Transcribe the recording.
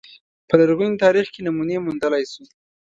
په لرغوني تاریخ کې نمونې موندلای شو